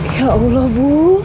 ya allah bu